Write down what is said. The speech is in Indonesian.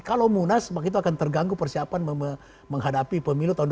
kalau munas maka itu akan terganggu persiapan menghadapi pemilu tahun dua ribu empat belas